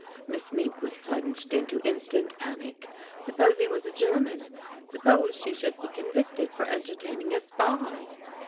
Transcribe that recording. Miss Mink was plunged into instant panic; suppose he was a German? Suppose she should be convicted for entertaining a spy!